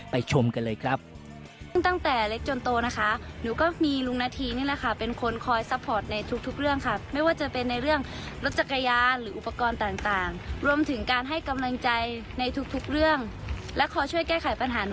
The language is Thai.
ชมกันเลยครับ